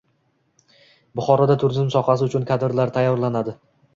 Buxoroda turizm sohasi uchun kadrlar tayyorlanadi